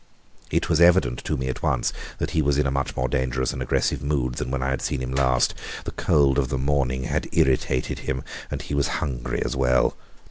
It was evident to me at once that he was in a much more dangerous and aggressive mood than when I had seen him last. The cold of the morning had irritated him, and he was hungry as well.